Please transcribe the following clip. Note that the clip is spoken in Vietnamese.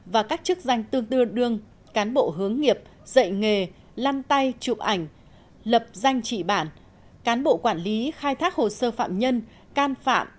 và các chức danh tương tư đương cán bộ hướng nghiệp dạy nghề lăn tay chụp ảnh lập danh trị bản cán bộ quản lý khai thác hồ sơ phạm nhân can phạm